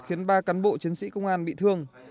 khiến ba cán bộ chiến sĩ công an bị thương